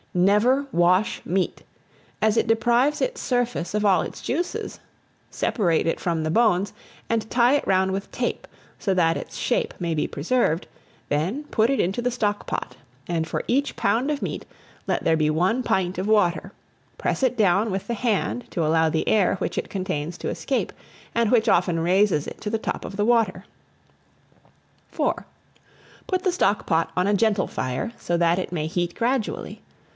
NEVER WASH MEAT, as it deprives its surface of all its juices; separate it from the bones, and tie it round with tape, so that its shape may be preserved, then put it into the stock pot, and for each pound of meat, let there be one pint of water; press it down with the hand, to allow the air, which it contains, to escape, and which often raises it to the top of the water. IV. PUT THE STOCK POT ON A GENTLE FIRE, so that it may heat gradually.